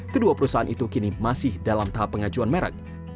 kedua perusahaan itu kini masih dalam tahap pengajuan merek